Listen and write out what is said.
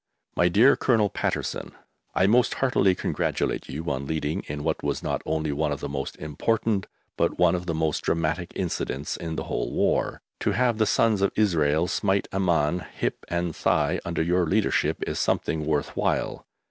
MY DEAR COLONEL PATTERSON, I most heartily congratulate you on leading in what was not only one of the most important, but one of the most dramatic incidents in the whole War. To have the sons of Israel smite Ammon "hip and thigh" under your leadership is something worth while.